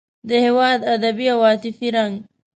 د هېواد ادبي او عاطفي رنګ.